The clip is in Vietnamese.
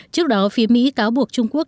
trước đó phía mỹ cáo buộc trung quốc